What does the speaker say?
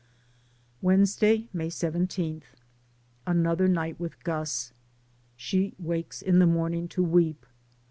Wednesday, May 17. Another night with Gus. She wakes in the morning to weep.